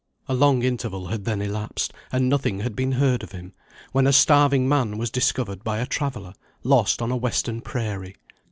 A long interval had then elapsed, and nothing had been heard of him, when a starving man was discovered by a traveller, lost on a Western prairie.